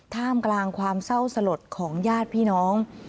ท่ามกลางความเศร้าสลดของญาติพี่น้อง